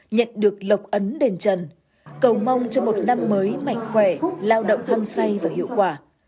nhận được lộc ấn đền trần cầu mong cho một năm mới mạnh khỏe lao động hâm say và hiệu quả